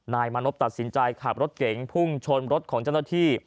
นายมานพตัดสินใจขับรถเก๋งพุ่งชนรถของเจ้าหน้าที่